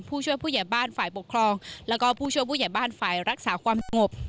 ผู้ช่วยผู้ใหญ่บ้านฝ่ายปกครองแล้วก็ผู้ช่วยผู้ใหญ่บ้านฝ่ายรักษาความสงบ